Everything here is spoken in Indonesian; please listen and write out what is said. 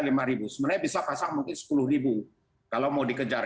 sebenarnya bisa pasang mungkin sepuluh ribu kalau mau dikejar